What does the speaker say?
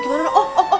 gimana oh oh oh